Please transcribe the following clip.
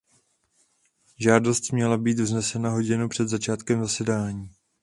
Žádost měla být vznesena hodinu před začátkem zasedání.